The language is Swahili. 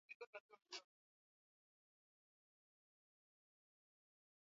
Kiwango hiki kilichopangwa huleta pamoja utafiti muhimu